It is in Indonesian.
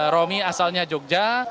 romi asalnya jogja